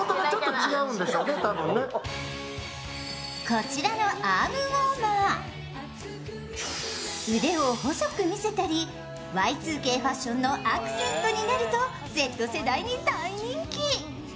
こちらのアームウォーマー、腕を細く見せたり、Ｙ２ＫファッションのアクセントになるとＺ世代に大人気。